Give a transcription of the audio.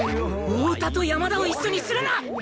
太田と山田を一緒にするな！